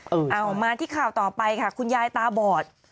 เอามาที่ข่าวต่อไปค่ะคุณยายตาบอด